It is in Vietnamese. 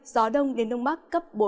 gió đông đến đông bắc cấp bốn năm